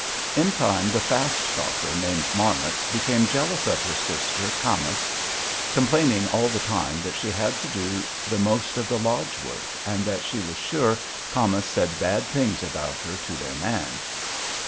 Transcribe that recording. "In time the fast talker, named Marmot, became jealous of her sister, Camas, complaining all the time that she had to do the most of the lodge work, and that she was sure Camas said bad things about her to their man.